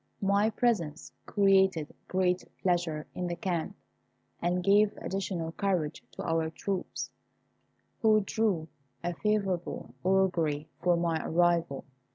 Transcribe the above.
My presence created great pleasure in the camp, and gave additional courage to our troops, who drew a favourable augury from my arrival.